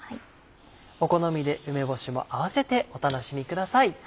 お好みで梅干しも併せてお楽しみください。